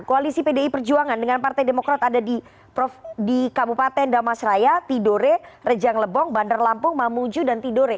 koalisi pdi perjuangan dengan partai demokrat ada di kabupaten damasraya tidore rejang lebong bandar lampung mamuju dan tidore